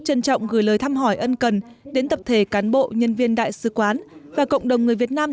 trân trọng gửi lời thăm hỏi ân cần đến tập thể cán bộ nhân viên đại sứ quán và cộng đồng người việt nam